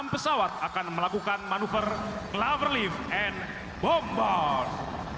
enam pesawat akan melakukan manuver cloverleaf and bombard